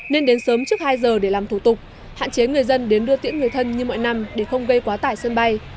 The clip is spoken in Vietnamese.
nên đến sớm trước hai giờ để làm thủ tục hạn chế người dân đến đưa tiễn người thân như mọi năm để không gây quá tải sân bay